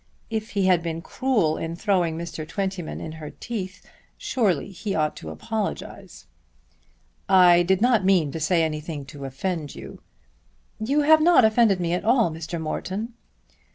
If he had been cruel in throwing Mr. Twentyman in her teeth, surely he ought to apologize. "I did not mean to say anything to offend you." "You have not offended me at all, Mr. Morton."